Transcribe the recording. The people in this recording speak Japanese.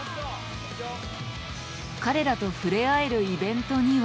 彼らと触れ合えるイベントには。